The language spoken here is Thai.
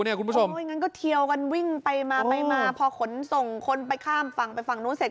คุณผู้ชมงั้นก็เทียวกันวิ่งไปมาไปมาพอขนส่งคนไปข้ามฝั่งไปฝั่งนู้นเสร็จ